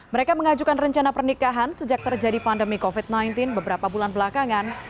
mereka mengajukan rencana pernikahan sejak terjadi pandemi covid sembilan belas beberapa bulan belakangan